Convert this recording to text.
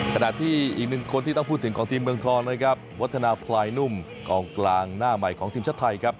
ขณะที่อีกหนึ่งคนที่ต้องพูดถึงของทีมเมืองทองนะครับวัฒนาพลายนุ่มกองกลางหน้าใหม่ของทีมชาติไทยครับ